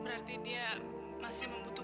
bang ngeri juga kok